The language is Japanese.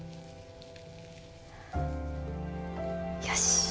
よし。